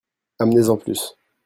Amenez-en plus.